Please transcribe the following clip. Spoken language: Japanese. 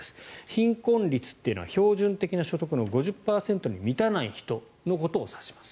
貧困率というのは標準的な所得の５０％に満たない人を指します。